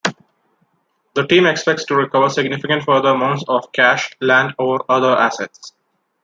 The team expects to recover significant further amounts of cash, land or other assets.